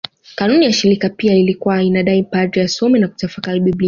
Kanuni ya shirika pia ilikuwa inadai padri asome na kutafakari Biblia